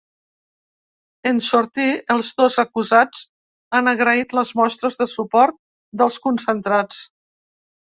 En sortir, els dos acusats han agraït les mostres de suport dels concentrats.